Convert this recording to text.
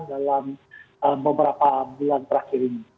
dalam beberapa bulan terakhir ini